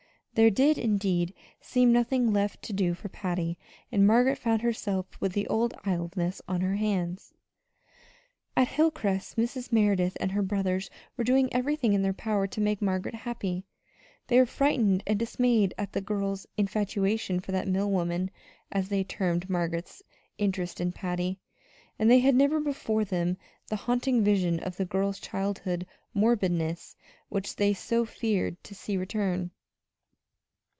There did, indeed, seem nothing left to do for Patty, and Margaret found herself with the old idleness on her hands. At Hilcrest Mrs. Merideth and her brothers were doing everything in their power to make Margaret happy. They were frightened and dismayed at the girl's "infatuation for that mill woman," as they termed Margaret's interest in Patty; and they had ever before them the haunting vision of the girl's childhood morbidness, which they so feared to see return.